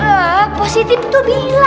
eh positi betul bingungnya yaa